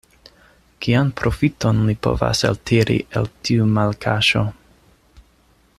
Kian profiton li povas eltiri el tiu malkaŝo?